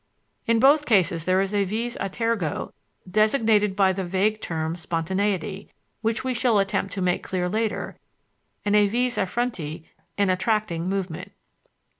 In both cases there is a vis a tergo designated by the vague term "spontaneity," which we shall attempt to make clear later, and a vis a fronte, an attracting movement.